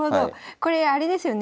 これあれですよね